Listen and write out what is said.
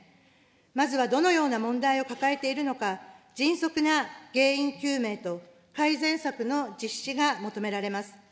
まずは、どのような問題を抱えているのか、迅速な原因究明と改善策の実施が求められます。